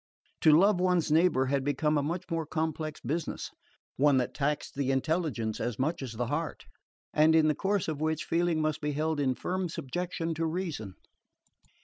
To love one's neighbour had become a much more complex business, one that taxed the intelligence as much as the heart, and in the course of which feeling must be held in firm subjection to reason.